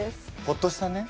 ほっとしたね。